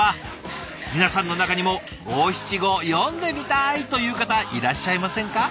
皆さんの中にも「五七五詠んでみたい！」という方いらっしゃいませんか？